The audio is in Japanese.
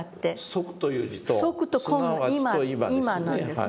即という字と即ちと今ですね。